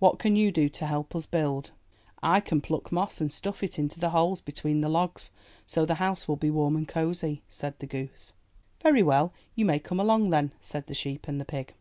'*What can you do to help us build?" I can pluck moss and stuff it into the holes between the logs so the house will be warm and cosy," said the goose. ''Very well, you may come along then." said the sheep and the pig.